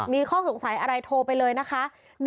มีข้อสงสัยอะไรโทรไปเลยนะคะ